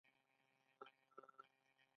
د یونانو باختري دولت ډیر قوي و